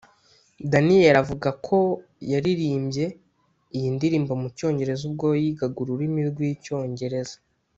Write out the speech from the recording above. Daniel avuga ko yaririmbye iyi ndirimbo mu cyongereza ubwo yigaga ururimi rw’icyongereza